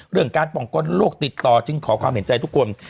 เรื่องการป่องกลโลกติดต่อจึงขอความเห็นใจทุกคน